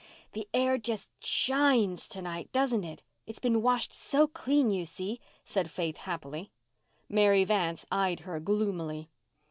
"The air just shines to night, doesn't it? It's been washed so clean, you see," said Faith happily. Mary Vance eyed her gloomily.